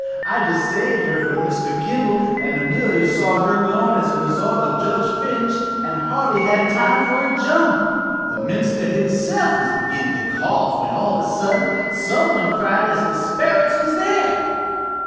I just saved her from Mr. Kimball, an' Amelia saw her goin' as a result o' Judge Fitch an' hardly had time for a jump. The minister himself was beginnin' to cough when, all of a sudden, some one cried as the Sperrits was there.